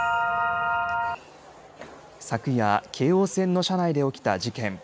昨夜、京王線の車内で起きた事件。